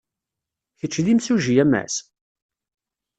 Kečč d imsujji a Mass?